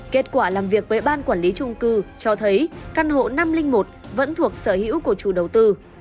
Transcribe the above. kết quả làm việc với ban quản lý trung cư cho thấy căn hộ năm trăm linh một vẫn thuộc sở hữu của chủ đầu tư